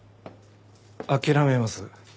諦めます。